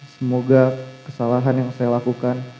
semoga kesalahan yang saya lakukan